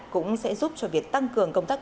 cũng sẽ giúp cho việc tăng cường công tác